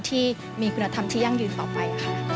ที่มีคุณธรรมที่ยั่งยืนต่อไปค่ะ